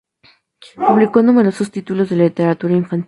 Publicó numerosos títulos de literatura infantil.